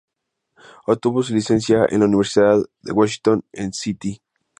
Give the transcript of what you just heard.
Obtuvo su licenciatura en la Universidad de Washington en St.